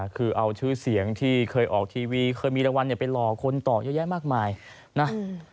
คือเอาชื่อเสียงที่เคยออกทีวีเคยมีรางวัลไปหลอกคนต่อเยอะแยะมากมายนะ